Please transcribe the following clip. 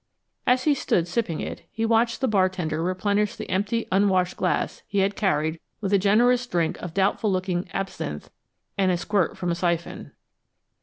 As he stood sipping it, he watched the bartender replenish the empty unwashed glass he had carried with a generous drink of doubtful looking absinthe and a squirt from a syphon.